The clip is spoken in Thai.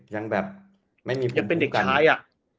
ยังเป็นเด็กชายอ่ะ